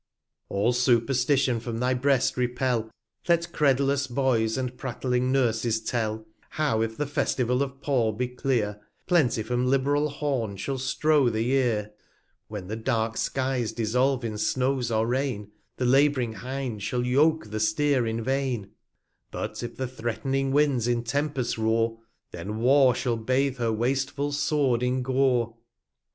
All Superstition from thy Breast repel. 175 Let cred'lous Boys, and prattling Nurses tell, How, if the Festival of ^au/bt clear, Plenty from lib'ral Horn shall strow the Year ; When the dark Skies dissolve in Snows or Rain, The lab'ring Hind shall yoke the Steer in vain ; 180 But if the threatning Winds in Tempests roar, Then War shall bathe her wasteful Sword in Gore.